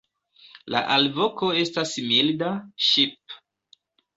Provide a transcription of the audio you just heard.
La alvoko estas milda "ŝip".